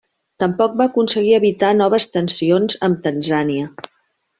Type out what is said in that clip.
Tampoc va aconseguir evitar noves tensions amb Tanzània.